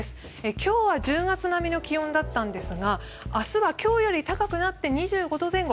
今日は１０月並みの気温だったんですが明日は今日より高くなって２５度前後。